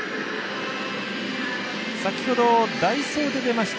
先ほど、代走で出ました